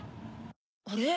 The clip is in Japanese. ・あれ？